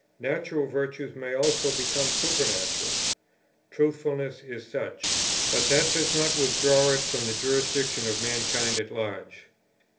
Natural virtues may also become supernatural; Truthfulness is such; but that does not withdraw it from the jurisdiction of mankind at large.